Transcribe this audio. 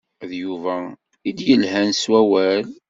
D Yuba i d-yelhan s wawal.